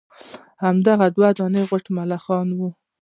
هم په دام کي وه دانه هم غټ ملخ وو